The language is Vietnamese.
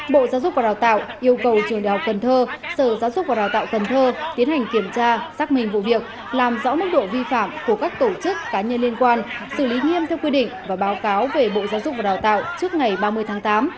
bộ giáo dục và đào tạo yêu cầu trường đại học cần thơ sở giáo dục và đào tạo cần thơ tiến hành kiểm tra xác minh vụ việc làm rõ mức độ vi phạm của các tổ chức cá nhân liên quan xử lý nghiêm theo quy định và báo cáo về bộ giáo dục và đào tạo trước ngày ba mươi tháng tám